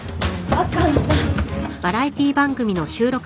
若菜さん